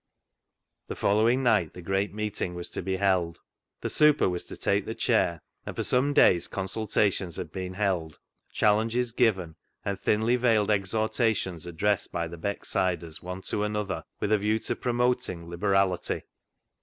The following night the great meeting was to be held. The " super " was to take the chair, and for some days consultations had been held, challenges given, and thinly veiled exhortations addressed by the Becksiders one to another with a view to promoting liber ality.